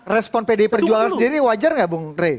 respon pdi perjuangan sendiri wajar nggak bung rey